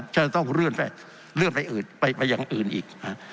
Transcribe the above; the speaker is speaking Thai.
จะต้องเลื่อนไปอย่างอื่นอีก